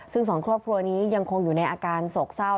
ซึ่งสองครอบครัวนี้ยังคงอยู่ในอาการโศกเศร้า